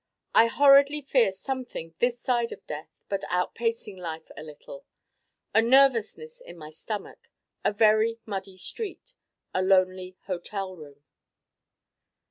I horridly fear something this side of Death but out pacing Life a little: a nervousness in my Stomach a very Muddy Street a Lonely Hotel Room.